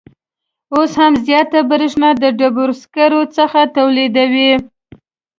اوس هم زیاته بریښنا د ډبروسکرو څخه تولیدوي